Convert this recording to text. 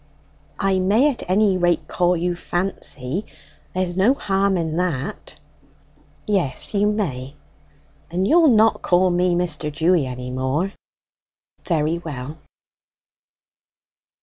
"I may at any rate call you Fancy? There's no harm in that." "Yes, you may." "And you'll not call me Mr. Dewy any more?" "Very well."